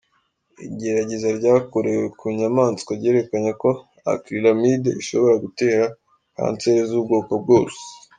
Igerageza ryakorewe ku inyamaswa ryerekanye ko acrylamide ishobora gutera kanseri zubwoko bwose.